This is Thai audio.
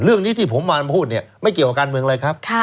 เรื่องนี้ที่ผมมาพูดเนี่ยไม่เกี่ยวกับการเมืองเลยครับ